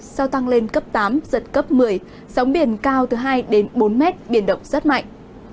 sau tăng lên cấp tám giật cấp một mươi sóng biển cao từ hai đến bốn mét biển động rất mạnh